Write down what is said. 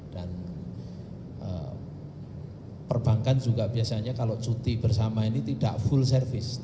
dan perbankan juga biasanya kalau cuti bersama ini tidak full service